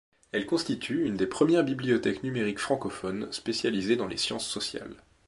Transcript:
Elle constitue une des premières bibliothèques numériques francophones spécialisée dans les sciences sociales.